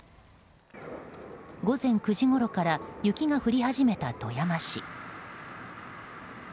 午前９時ごろから雪が降り始めた富山市。